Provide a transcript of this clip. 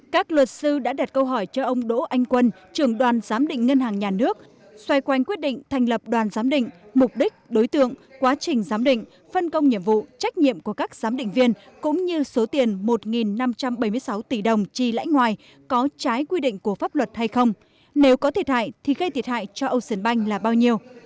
các luật sư đã đặt câu hỏi cho ông đỗ anh quân trưởng đoàn giám định ngân hàng nhà nước xoay quanh quyết định thành lập đoàn giám định mục đích đối tượng quá trình giám định phân công nhiệm vụ trách nhiệm của các giám định viên cũng như số tiền một năm trăm bảy mươi sáu tỷ đồng chi lãnh ngoài có trái quy định của pháp luật hay không nếu có thiệt hại thì gây thiệt hại cho ocean bank là bao nhiêu